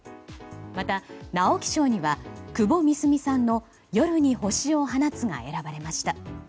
また直木賞には窪美澄さんの「夜に星を放つ」が選ばれました。